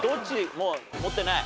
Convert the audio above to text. もう「持ってない」？